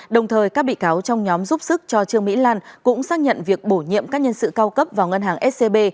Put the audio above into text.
đồng thời các bị cáo trong nhóm giúp sức cho trương mỹ lan cũng xác nhận việc bổ nhiệm các nhân sự cao cấp vào ngân hàng scb